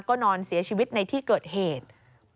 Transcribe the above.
ก็นอนเสียชีวิตในที่เกิดเหตุ